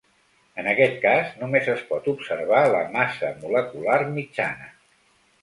En aquest cas només es pot observar la massa molecular mitjana.